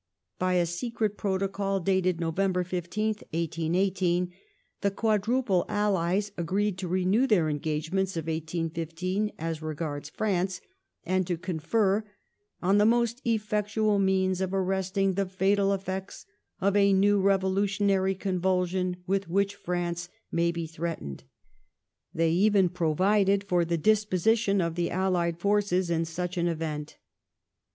By a Secret Protocol dated November 15th, 1818, the Quadruple allies agreed to renew their engagements of 1815 as regards France, and to confer " on the most effectual means of arresting the fatal effects of a new revolutionary convulsion with which France may be j threatened ".^ They even /provided for the disposition of the allied j forces in such an event.